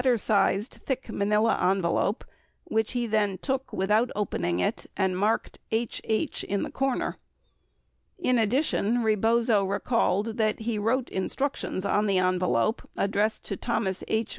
969 he received the first $50,000 in a "letter sized thick manila envelope," 50 which he then took without opening it and marked "H. H." in the corner. In addition, Rebozo recalled that he wrote instructions on the envelope addressed to Thomas H.